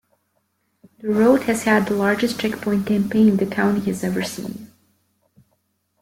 The road has had the largest Checkpoint campaign the county has ever seen.